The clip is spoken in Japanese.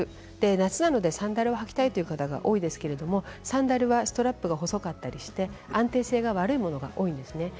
夏なのでサンダルを履きたい方が多いんですがストラップが細かったりして、安定性の悪いものが多いんですね。